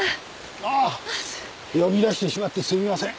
呼び出してしまってすみません。